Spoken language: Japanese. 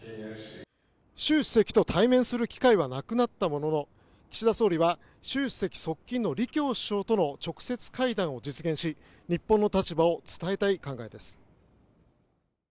習主席と対面する機会はなくなったものの岸田総理は習主席側近の李強首相との直接会談を実現し日本の立場を伝えたい考えです。